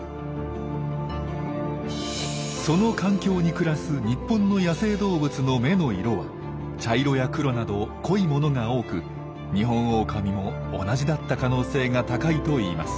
その環境に暮らす日本の野生動物の目の色は茶色や黒など濃いものが多くニホンオオカミも同じだった可能性が高いといいます。